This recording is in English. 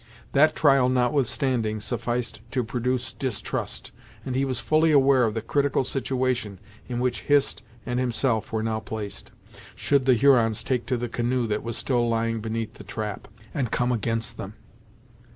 That trial, notwithstanding, sufficed to produce distrust, and he was fully aware of the critical situation in which Hist and himself were now placed, should the Hurons take to the canoe that was still lying beneath the trap, and come against them.